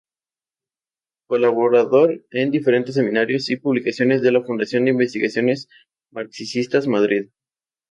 Colaborador en diferentes seminarios y publicaciones de la Fundación de Investigaciones Marxistas, Madrid.